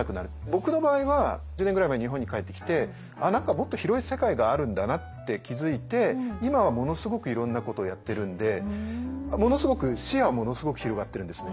僕の場合は１０年ぐらい前に日本に帰ってきて何かもっと広い世界があるんだなって気付いて今はものすごくいろんなことをやってるんでものすごく視野はものすごく広がってるんです。